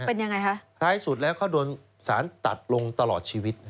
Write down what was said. ใครที่สุดแล้วเขาโดนสารตัดลงตลอดชีวิต